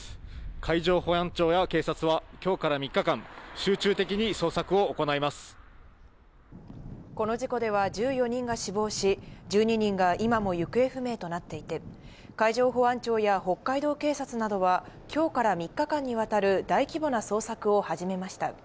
海上保安庁や警察は今日から３日間、この事故では１４人が死亡し、１２人が今も行方不明となっていて、海上保安庁や北海道警察などは今日から３日間にわたる大規模な捜索を始めました。